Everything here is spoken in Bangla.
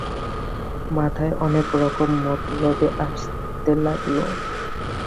মাথায় অনেকরকম মতলবই আসতে লাগল।